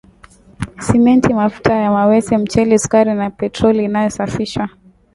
Simenti, mafuta ya mawese, mchele, sukari na petroli iliyosafishwa